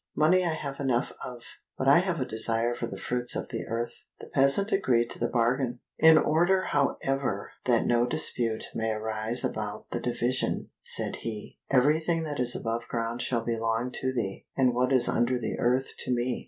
Money I have enough of, but I have a desire for the fruits of the earth." The peasant agreed to the bargain. "In order, however, that no dispute may arise about the division," said he, "everything that is above ground shall belong to thee, and what is under the earth to me."